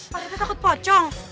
pak rete takut pocong